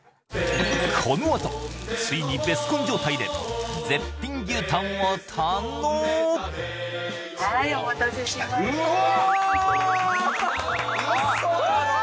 このあとついにベスコン状態で絶品牛タンを堪能フォー！